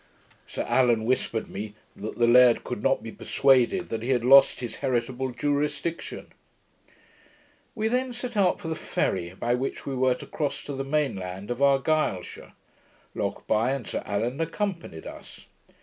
Sir Allan whispered me, that the laird could not be persuaded, that he had lost his heritable jurisdiction. We then set out for the ferry, by which we were to cross to the main land of Argyleshire. Lochbuy and Sir Allan accompanied us.